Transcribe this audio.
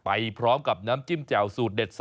ไปพร้อมกับน้ำจิ้มแจ่วสูตรเด็ด